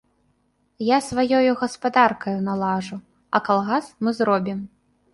Я сваёю гаспадаркаю налажу, а калгас мы зробім.